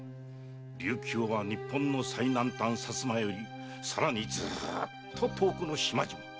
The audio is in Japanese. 琉球は日本の最南端薩摩よりさらにずーっと遠くの島々。